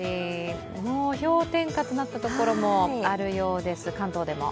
氷点下となったところもあるようです、関東でも。